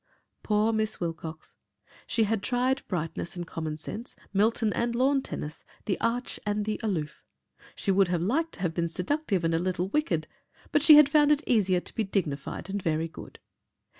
Poor Miss Wilcox! She had tried brightness and common sense, Milton and lawn tennis, the arch and the aloof. She would have liked to have been seductive and a little wicked, but she had found it easier to be dignified and very good.